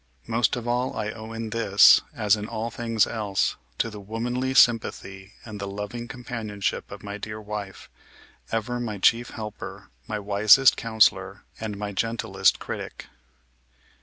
Most of all I owe in this, as in all things else, to the womanly sympathy and the loving companionship of my dear wife, ever my chief helper, my wisest counsellor, and ray gentlest critic.